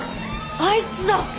あいつだ。